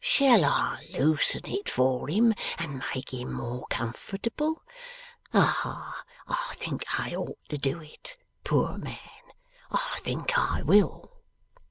Shall I loosen it for him, and make him more comfortable? Ah! I think I ought to do it, poor man. I think I will.